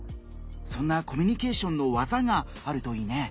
そんなコミュニケーションの技があるといいね。